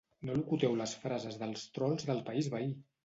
No locuteu les frases dels trols del país veí!